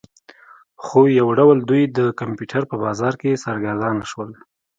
خو یو ډول دوی د کمپیوټر په بازار کې سرګردانه شول